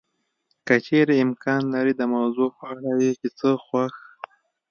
که چېرې امکان لري د موضوع په اړه یې چې څه خوښ